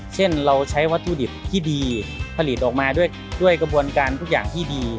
เช่นเราใช้วัตถุดิบที่ดีผลิตออกมาด้วยกระบวนการทุกอย่างที่ดี